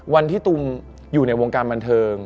วันที่ตุมอยู่ในวงการบันเทิง